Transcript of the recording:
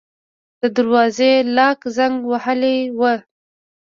د دروازې لاک زنګ وهلی و.